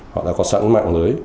họ đã có sẵn mạng lưới